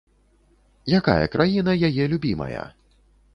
Якая краіна яе любімая?